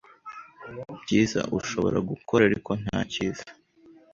Byiza ushobora gukora Ariko nta Cyiza